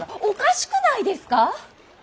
おかしくないですか。